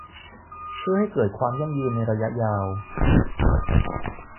เพื่อให้เกิดความยั่งยืนในระยะยาว